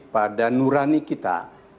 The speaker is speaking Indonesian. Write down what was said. pada nurani kita